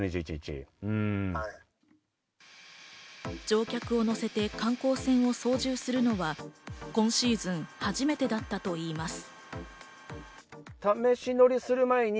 乗客を乗せて観光船を操縦するのは今シーズン初めてだったといいます。